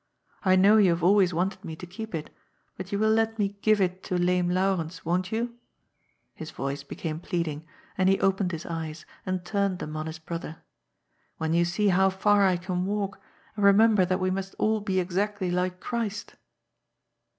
I know you have always wanted me to keep it, but you will let me give A FLASH OF LIGHT. 333 it to lame Laurens, won't you ?"— his voice became plead ing, and he opened his eyes and turned them on his brother —" when you see how far I can walk, and remember that we must all be exactly like Christ?"